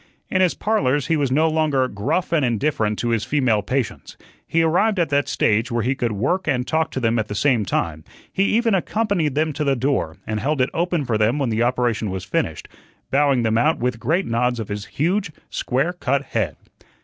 In his "Parlors" he was no longer gruff and indifferent to his female patients; he arrived at that stage where he could work and talk to them at the same time; he even accompanied them to the door, and held it open for them when the operation was finished, bowing them out with great nods of his huge square cut head.